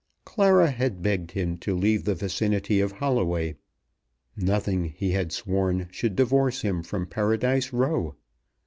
Clara had begged him to leave the vicinity of Holloway. Nothing, he had sworn, should divorce him from Paradise Row.